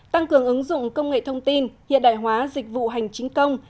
tăng cường ứng dụng công nghệ thông tin hiện đại hóa dịch vụ hành chính công